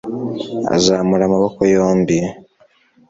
Azamura amaboko yombi